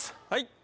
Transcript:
はい。